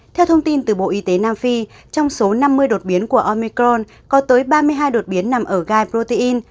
theo thông tin từ bộ y tế nam phi trong số năm mươi đột biến của omicron có tới ba mươi hai đột biến nằm ở gai protein